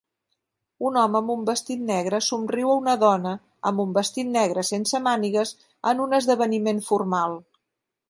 Un home amb un vestit negre somriu a una dona amb un vestit negre sense mànigues en un esdeveniment formal